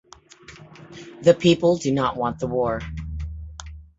The people do not want the war.